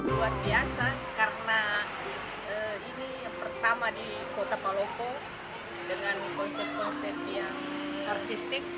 luar biasa karena ini yang pertama di kota palopo dengan konsep konsep yang artistik